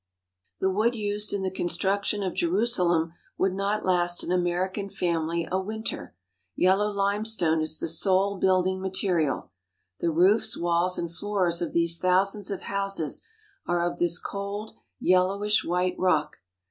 The wood used in the construction of Jerusalem would not last an American family a winter. Yellow limestone is the sole building material. The roofs, walls, and floors of these thousands of houses are of this cold, yellowish white rock.